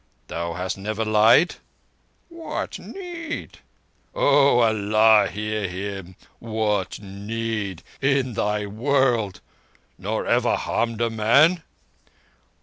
Thou hast never lied?" "What need?" "O Allah, hear him! 'What need' in this Thy world! Nor ever harmed a man?"